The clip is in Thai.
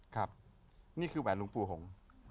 ครับนี่คือแหวนหลวงปู่หงษ์